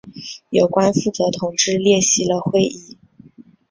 有关负责同志列席了会议。